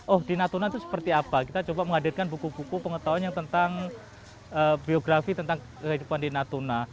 oh di natuna itu seperti apa kita coba menghadirkan buku buku pengetahuan yang tentang biografi tentang kehidupan di natuna